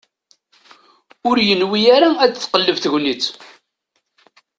Ur yenwi ara ad tqelleb tegnit.